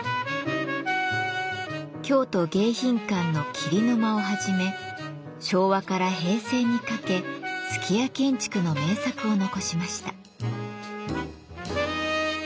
京都迎賓館の桐の間をはじめ昭和から平成にかけ数寄屋建築の名作を残しました。